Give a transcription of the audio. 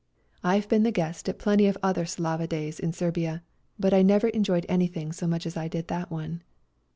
I have been the guest at plenty of other Slava days in Serbia, but I never enjoyed anything so much as I did that one.